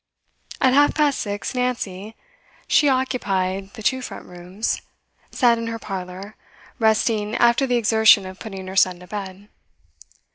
At half past six, Nancy she occupied the two front rooms sat in her parlour, resting after the exertion of putting her son to bed.